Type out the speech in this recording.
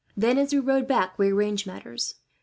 "Then, as we rowed back, we arranged matters.